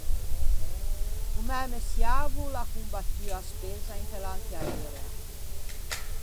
O mæ messiavo o l'à combattuo à Spezza inte l'antiaerea.